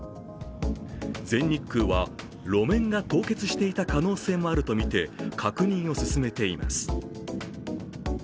全日空は路面が凍結していた可能性もあるとみて確認を進めています。